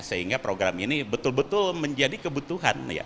sehingga program ini betul betul menjadi kebutuhan